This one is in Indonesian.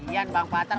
iyan bang batar